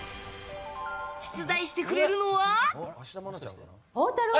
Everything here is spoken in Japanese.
出題してくれるのは。